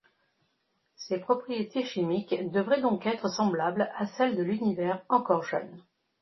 Ses propriétés chimiques devraient donc être semblables à celle de l'univers encore jeune.